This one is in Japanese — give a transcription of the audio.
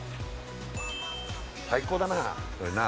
最高だな